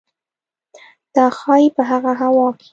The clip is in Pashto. دا ښايي په هغه هوا کې